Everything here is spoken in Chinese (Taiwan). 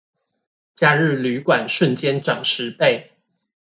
假日旅館瞬間漲十倍